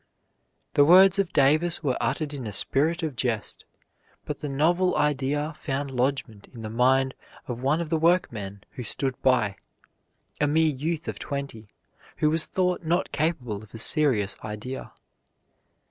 The words of Davis were uttered in a spirit of jest, but the novel idea found lodgment in the mind of one of the workmen who stood by, a mere youth of twenty, who was thought not capable of a serious idea.